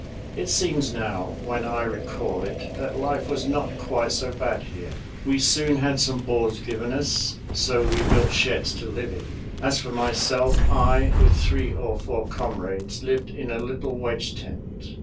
It seems now, when I recall it, that life was not quite so bad here. We soon had some boards given us; so we built sheds to live in. As for myself, I, with three or four comrades, lived in a little wedge tent.